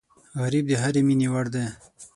غریب د هرې مینې وړ دی